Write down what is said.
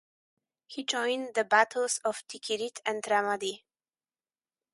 He joined the battles of Tikrit and Ramadi.